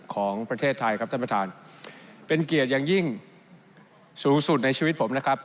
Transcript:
ของประเทศไทยครับท่านประธานเป็นเกียรติอย่างยิ่งสูงสุดในชีวิตผมนะครับ